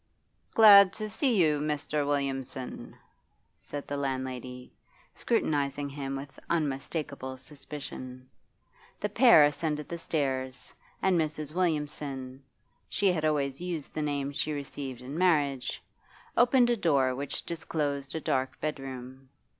'Glad to see you, Mr. Williamson,' said the landlady, scrutinising him with unmistakable suspicion. The pair ascended the stairs, and Mrs. Williamson she had always used the name she received in marriage opened a door which disclosed a dark bedroom.